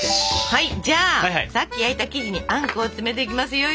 はいじゃあさっき焼いた生地にあんこを詰めていきますよ。